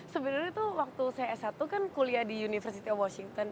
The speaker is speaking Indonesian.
sebenarnya tuh waktu saya s satu kan kuliah di university washington